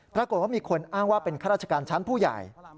ปรากฏว่ามีคนอ้างว่าเป็นข้าราชการชั้นผู้ใหญ่